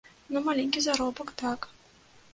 Ну, маленькі заробак, так!